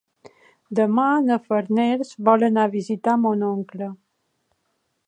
Demà na Farners vol anar a visitar mon oncle.